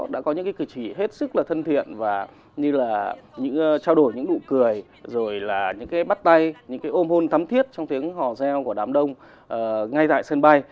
đã có những cử chỉ hết sức là thân thiện và như là những trao đổi những nụ cười rồi là những cái bắt tay những cái ôm hôn tắm thiết trong tiếng hò reo của đám đông ngay tại sân bay